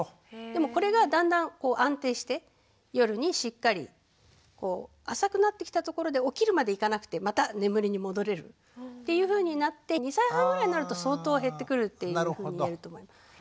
でもこれがだんだん安定して夜にしっかり浅くなってきたところで起きるまでいかなくてまた眠りに戻れるというふうになって２歳半ぐらいになると相当減ってくるっていうふうに言えると思います。